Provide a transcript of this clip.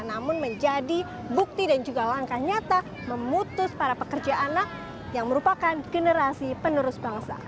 namun menjadi bukti dan juga langkah nyata memutus para pekerja anak yang merupakan generasi penerus bangsa